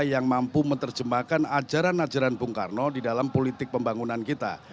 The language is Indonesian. yang mampu menerjemahkan ajaran ajaran bung karno di dalam politik pembangunan kita